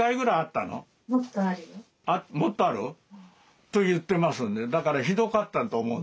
もっとある？と言ってますんでだからひどかったと思う。